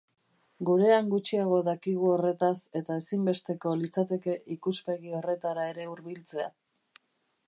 Gurean gutxiago dakigu horretaz eta ezinbesteko litzateke ikuspegi horretara ere hurbiltzea.